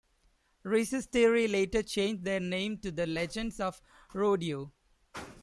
Recess Theory later changed their name to the Legends of Rodeo.